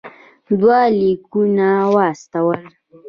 دوه لیکونه واستول.